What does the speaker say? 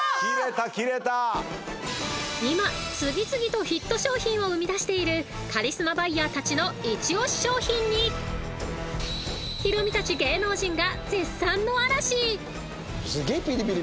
［今次々とヒット商品を生み出しているカリスマバイヤーたちのイチオシ商品にヒロミたち芸能人が］